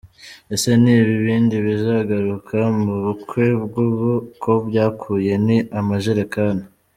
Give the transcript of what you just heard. Ese n’ ibibindi bizagaruka mu bukwe bw’ ubu ko byakuwe n’ amajerekani? .